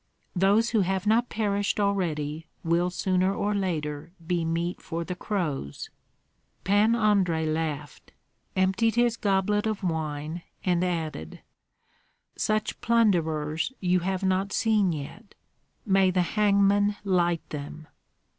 Those who have not perished already will sooner or later be meat for the crows." Pan Andrei laughed, emptied his goblet of wine, and added: "Such plunderers you have not seen yet. May the hangman light them!